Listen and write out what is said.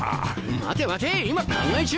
待て待て今考え中。